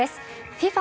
ＦＩＦＡ